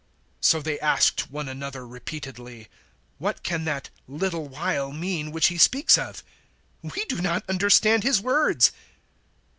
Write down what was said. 016:018 So they asked one another repeatedly, "What can that `little while' mean which He speaks of? We do not understand His words."